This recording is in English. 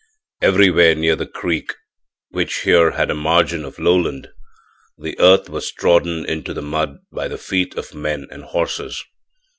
Everywhere near the creek, which here had a margin of lowland, the earth was trodden into mud by the feet of men and horses.